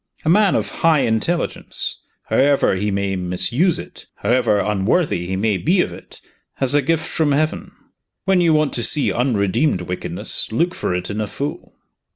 A man of high intelligence however he may misuse it, however unworthy he may be of it has a gift from Heaven. When you want to see unredeemed wickedness, look for it in a fool.